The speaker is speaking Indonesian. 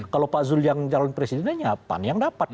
kalau pak zul yang calon presidennya pan yang dapat